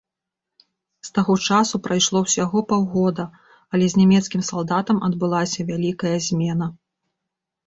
З таго часу прайшло ўсяго паўгода, але з нямецкім салдатам адбылася вялікая змена.